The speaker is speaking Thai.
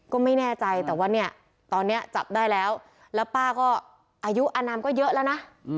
ก็ไม่แน่ใจแต่ว่าเนี่ยตอนนี้จับได้แล้วแล้วป้าก็อายุอนามก็เยอะแล้วนะ